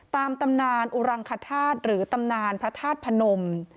ตำนานอุรังคธาตุหรือตำนานพระธาตุพนม